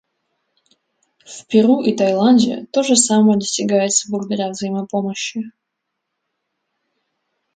В Перу и Таиланде то же самое достигается благодаря взаимопомощи.